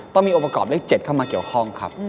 ต้องมีองค์ประกอบเลข๗เข้ามาเกี่ยวข้องครับ